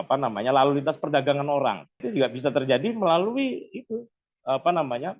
apa namanya lalu lintas perdagangan orang itu juga bisa terjadi melalui itu apa namanya